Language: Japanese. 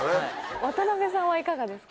渡辺さんはいかがですか？